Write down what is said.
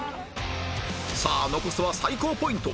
さあ残すは最高ポイント